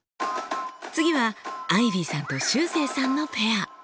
次はアイビーさんとしゅうせいさんのペア。